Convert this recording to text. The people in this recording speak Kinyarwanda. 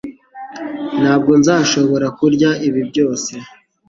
Ntabwo nzashobora kurya ibi byose